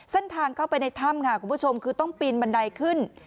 แส้นทางเข้าไปในถ้ำคุณผู้ชมคือต้องปีนบันไดขึ้น